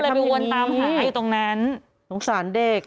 ก็เลยเป็นวันตามหาอยู่ตรงนั้นสงสารเด็ก